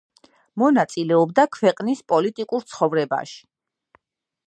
მონაწილეობდა ქვეყნის პოლიტიკურ ცხოვრებაში.